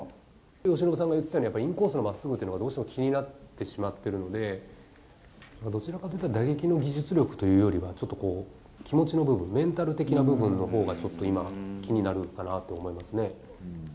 由伸さんが言ってたように、やっぱりインコースのまっすぐっていうのが、どうしても気になってしまっているので、どちらかといったら、打撃の技術力というよりは、ちょっとこう、気持ちの部分、メンタル的な部分のほうが、ちょっと今、気になるかなと思いますね。